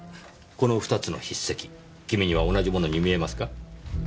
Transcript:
この２つの筆跡君には同じものに見えますか？